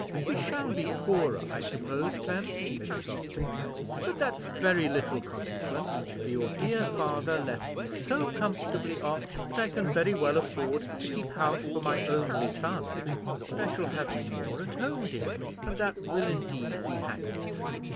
"We shall be poorer, I suppose, Clem," Mrs. Austin said; "but that's very little consequence, for your dear father left me so comfortably off that I can very well afford to keep house for my only son; and I shall have you more at home, dear, and that will indeed be happiness."